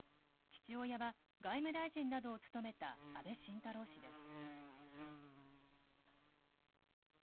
父親は外務大臣などを務めた安倍晋太郎氏です。